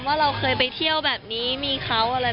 ว่าเราเคยไปเที่ยวแบบนี้มีเขาอะไร